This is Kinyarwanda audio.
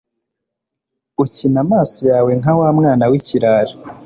ukina amaso yawe nka wa mwana w'ikirara